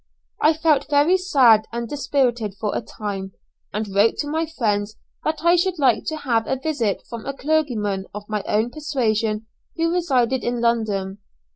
I felt very sad and dispirited for a time, and wrote to my friends that I should like to have a visit from a clergyman of my own persuasion who resided in London.